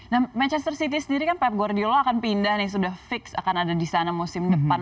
nah manchester city sendiri kan pep guardiolo akan pindah nih sudah fix akan ada di sana musim depan